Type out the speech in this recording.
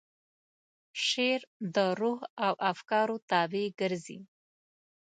شعر د روح او افکارو تابع ګرځي.